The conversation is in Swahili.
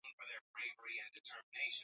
leo Tatizo ni hili hapa hii ndiyo sababu